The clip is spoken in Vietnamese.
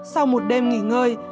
sau một đêm nghỉ ngơi